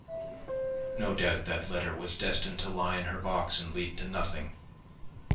No doubt that letter was destined to lie in her box and lead to nothing.